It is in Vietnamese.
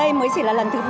đây mới chỉ là lần thứ ba